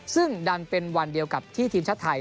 ซึ่งดันเป็นวันเดียวกับที่ทีมชาติไทย